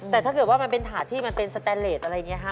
แต่ถ้าเกิดว่ามันเป็นถาดที่มันเป็นสแตนเลสอะไรอย่างนี้ค่ะ